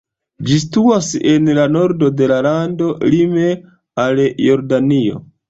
Ĝi situas en la nordo de la lando lime al Jordanio.